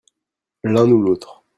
l'un ou l'autre.